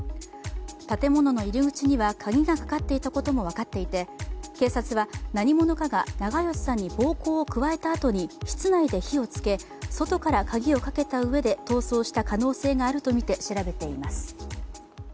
建物の入り口には鍵がかかっていたことも分かっていて警察は何者かが長葭さんに暴行を加えたあとに室内で火をつけ、外から鍵をかけたうえで逃走した可能性があるとみて調べています。